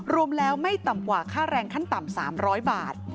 รวมแล้วไม่ต่ำกว่าค่าแรงขั้นต่ำ๓๐๐บาท